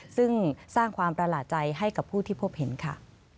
ซึ่งสร้างความประหลาดใจให้กับผู้ที่พบเห็นค่ะ